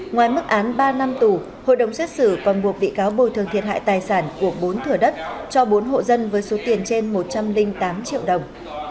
ngoài mức án ba năm tù hội đồng xét xử còn buộc bị cáo bồi thường thiệt hại tài sản của bốn thửa đất cho bốn hộ dân với số tiền trên một trăm linh tám triệu đồng